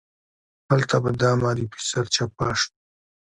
هلته به دا معرفي سرچپه شوه.